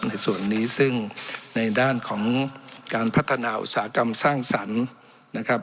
ในส่วนนี้ซึ่งในด้านของการพัฒนาอุตสาหกรรมสร้างสรรค์นะครับ